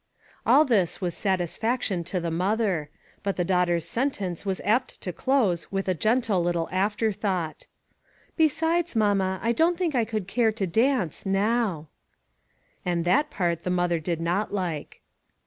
All this was satisfaction to the mother. But the daughter's sentence was apt to close with a gentle little after thought: "Besides, mamma, I don't think I would i care to dance, now" And that part the mother did not like.